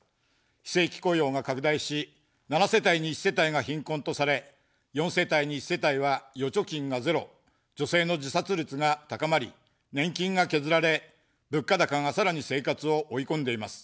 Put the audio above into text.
非正規雇用が拡大し、７世帯に１世帯が貧困とされ、４世帯に１世帯は預貯金がゼロ、女性の自殺率が高まり、年金が削られ、物価高がさらに生活を追い込んでいます。